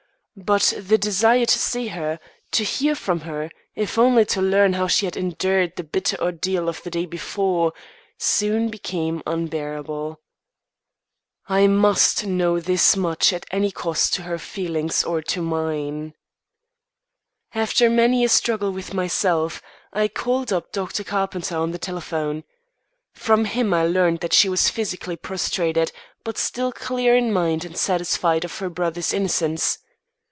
But the desire to see her, to hear from her if only to learn how she had endured the bitter ordeal of the day before soon became unbearable. I must know this much at any cost to her feelings or to mine. After many a struggle with myself, I called up Dr. Carpenter on the telephone. From him I learned that she was physically prostrated, but still clear in mind and satisfied of her brother's innocence.